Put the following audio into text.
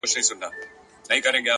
هوښیار انسان له وخت سره سیالي نه کوي.!